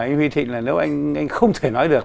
anh huy thịnh là nếu anh không thể nói được